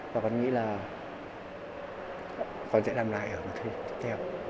và con nghĩ là con sẽ làm lại ở mùa thu tiếp theo